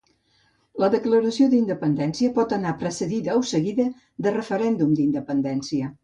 La declaració d'independència pot anar precedida o seguida de referèndum d'independència.